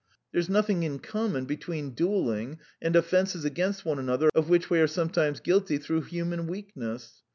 There's nothing in common between duelling and offences against one another of which we are sometimes guilty through human weakness.